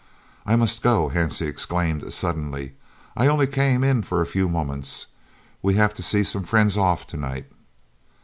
"I must go," Hansie exclaimed suddenly, "I only came in for a few moments. We have to see some friends off to night."